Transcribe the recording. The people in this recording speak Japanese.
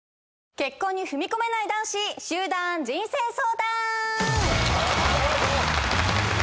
結婚に踏み込めない男子集団人生相談！